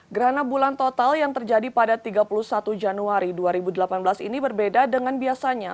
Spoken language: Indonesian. gerhana bulan total yang terjadi pada tiga puluh satu januari dua ribu delapan belas ini berbeda dengan biasanya